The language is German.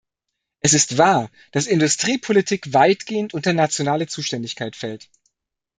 Es ist wahr, dass Industriepolitik weitgehend unter nationale Zuständigkeit fällt.